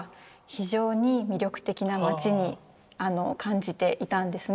非常に魅力的な街に感じていたんですね。